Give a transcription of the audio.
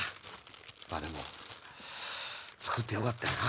まぁでも作ってよかったよな